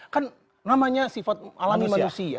kan namanya sifat alami manusia